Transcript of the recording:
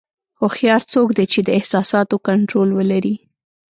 هوښیار څوک دی چې د احساساتو کنټرول ولري.